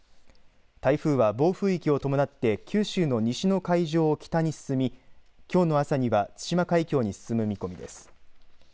台風は暴風域を伴って九州の西の海上を北に進みきょうの朝には対馬海峡に進む見込みです。